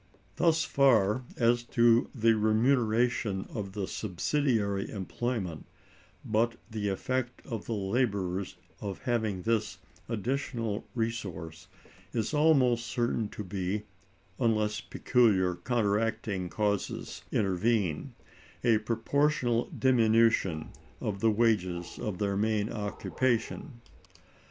Thus far, as to the remuneration of the subsidiary employment; but the effect to the laborers of having this additional resource is almost certain to be (unless peculiar counteracting causes intervene) a proportional diminution of the wages of their main occupation.